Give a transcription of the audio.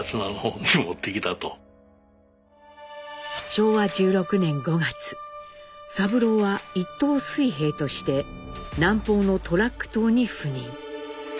昭和１６年５月三郎は一等水兵として南方のトラック島に赴任。